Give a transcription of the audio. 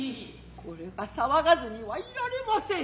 これが騒がずには居られません。